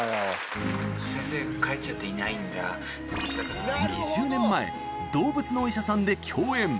先生、２０年前、動物のお医者さんで共演。